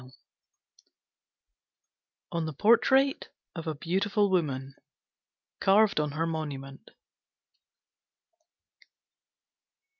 ON THE PORTRAIT OF A BEAUTIFUL WOMAN, CARVED ON HER MONUMENT.